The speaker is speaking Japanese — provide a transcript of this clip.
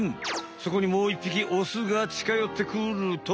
そこにもういっぴきオスがちかよってくると。